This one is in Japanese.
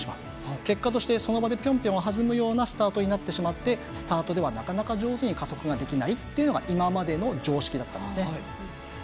結果として、その場でぴょんぴょんはずむようなスタートになってスタートでは上手に加速ができないというのが今までの常識だったんですね。